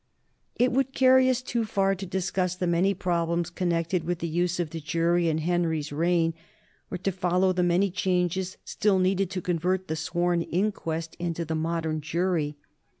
It would carry us too far to discuss the many prob lems connected with the use of the jury in Henry's reign or to follow the many changes still needed to con vert the sworn inquest into the modern jury.